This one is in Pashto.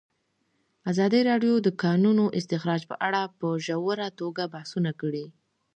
ازادي راډیو د د کانونو استخراج په اړه په ژوره توګه بحثونه کړي.